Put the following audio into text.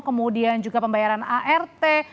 kemudian juga pembayaran art